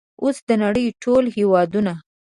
اوس د نړۍ ټول هیوادونه